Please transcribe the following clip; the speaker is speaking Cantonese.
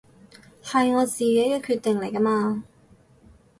係我自己嘅決定嚟㗎嘛